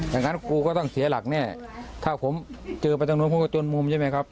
งั้นกูก็ต้องเสียหลักแน่ถ้าผมเจอไปทางนู้นเขาก็จนมุมใช่ไหมครับ